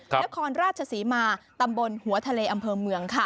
นครราชศรีมาตำบลหัวทะเลอำเภอเมืองค่ะ